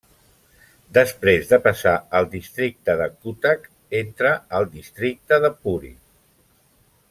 Després de passar el districte de Cuttack entra al districte de Puri.